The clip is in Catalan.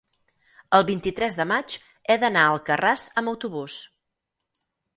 el vint-i-tres de maig he d'anar a Alcarràs amb autobús.